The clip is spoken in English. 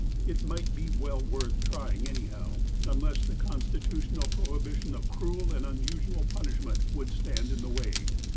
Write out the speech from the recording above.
It might be well worth trying anyhow, unless the con stitutional prohibition of cruel and unusual punishment would stand in the way.